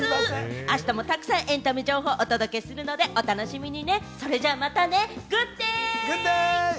あしたもたくさんエンタメ情報をお届けするので、お楽しみに。